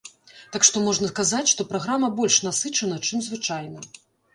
Так што можна казаць, што праграма больш насычана, чым звычайна.